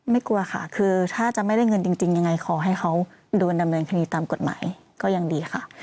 กลัวค่ะคือถ้าจะไม่ได้เงินจริงยังไงขอให้เขาโดนดำเนินคดีตามกฎหมายก็ยังดีค่ะ